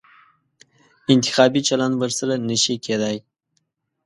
انتخابي چلند ورسره نه شي کېدای.